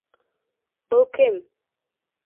Был кем?